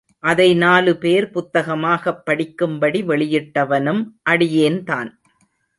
அதை நாலுபேர் புத்தகமாகப் படிக்கும்படி வெளியிட்டவனும் அடியேன்தான்!